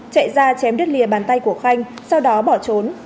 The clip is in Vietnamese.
chạy ra chém đứt lìa bàn tay của khanh sau đó bỏ trốn